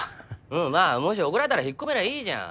うんまあもし怒られたら引っ込めりゃいいじゃん。